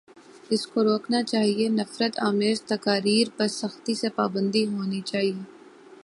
اس کو روکنا چاہیے، نفرت آمیز تقاریر پر سختی سے پابندی ہونی چاہیے۔